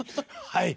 はい。